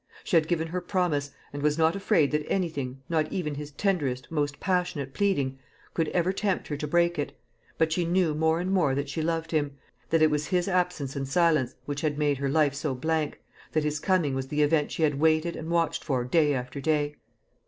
She had given her promise, and was not afraid that anything, not even his tenderest, most passionate pleading, could ever tempt her to break it; but she knew more and more that she loved him that it was his absence and silence which, had made her life so blank, that his coming was the event she had waited and watched for day after day.